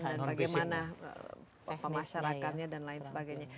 dan bagaimana pemasyarakannya dan lain sebagainya